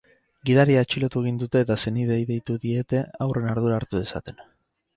Gidaria atxilotu egin dute eta senideei deitu diete haurren ardura hartu dezaten.